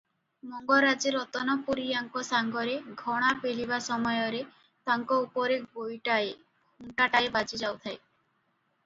ମଙ୍ଗରାଜେ ରତନପୁରିଆଙ୍କ ସାଙ୍ଗରେ ଘଣା ପେଲିବା ସମୟରେ ତାଙ୍କ ଉପରେ ଗୋଇଠାଏ, ଖୁନ୍ଦାଟାଏ ବାଜିଯାଉଥାଏ ।